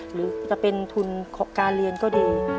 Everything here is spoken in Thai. หรือจะเป็นทุนของการเรียนก็ดี